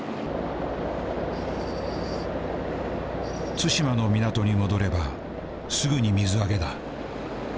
対馬の港に戻ればすぐに水揚げだ。